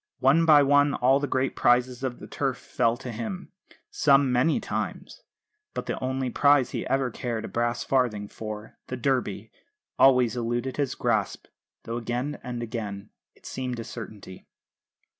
One by one all the great prizes of the Turf fell to him some many times but the only prize he ever cared a brass farthing for, the Derby, always eluded his grasp, though again and again it seemed a certainty.